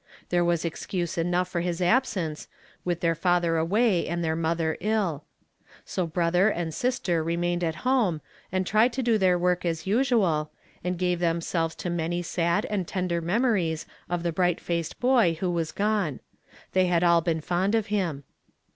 There was excuse enough for his absence, with their father away and their mother ill. So brother and sister remained at home, and tried to do their work as usual, and gave themselves to many sad and tender nu^mories of the bright faced boy who was gone ; they had all been fond of him.